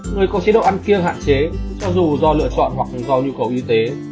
người có chế độ ăn kia hạn chế cho dù do lựa chọn hoặc do nhu cầu y tế